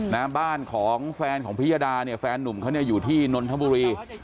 น้ำบ้านของแฟนของพิยาดาแฟนนุ่มเขาอยู่ที่นนทมบุรี